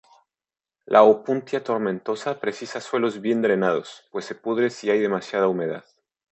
La "Opuntia tomentosa" precisa suelos bien drenados, pues se pudre si hay demasiada humedad.